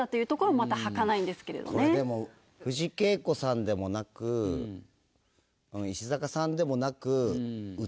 これでも藤圭子さんでもなく石坂さんでもなく。